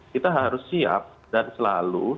kita harus siap dan selalu